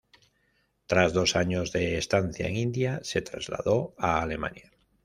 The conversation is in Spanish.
Tras dos años de estancia en India, se trasladó a Alemania.